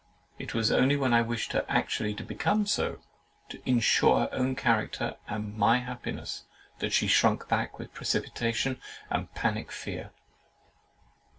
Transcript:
It was only when I wished her actually to become so, to ensure her own character and my happiness, that she shrunk back with precipitation and panic fear.